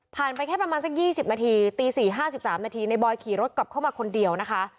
ผ่านไปแค่ประมาณสักยี่สิบนาทีตีสี่ห้าสิบสามนาทีในบอยขี่รถกลับเข้ามาคนเดียวนะคะ